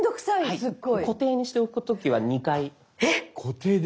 すごい。